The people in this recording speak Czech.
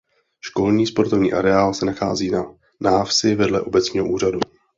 Školní sportovní areál se nachází na návsi vedle obecního úřadu.